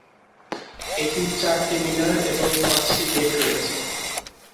এটির চারটি মিনার এবং পাঁচটি গেইট রয়েছে।